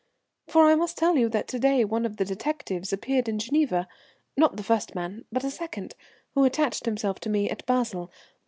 "For I must tell you that to day one of the detectives appeared in Geneva, not the first man, but a second, who attached himself to me at Basle.